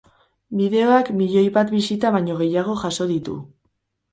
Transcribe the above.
Bideoak milioi bat bisita baino gehiago jaso ditu.